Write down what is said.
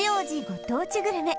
ご当地グルメ